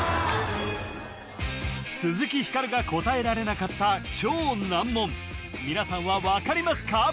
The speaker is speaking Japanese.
鈴木光が答えられなかった超難問皆さんは分かりますか？